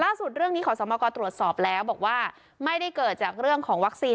เรื่องนี้ขอสมกรตรวจสอบแล้วบอกว่าไม่ได้เกิดจากเรื่องของวัคซีน